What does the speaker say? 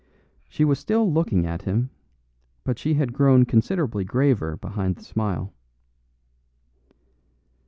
She was still looking at him; but she had grown considerably graver behind the smile.